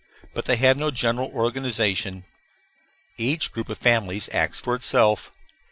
But they have no general organization. Each group of families acts for itself.